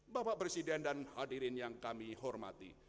bapak presiden dan hadirin yang kami hormati